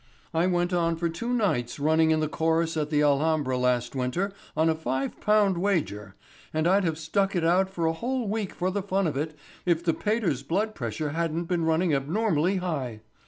"I went on for two nights running in the chorus at the Alhambra last winter on a five pound wager, and I'd have stuck it out for a whole week for the fun of it if the pater's blood pressure hadn't been running abnormally high.